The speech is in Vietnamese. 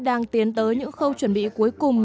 đang tiến tới những khâu chuẩn bị cuối cùng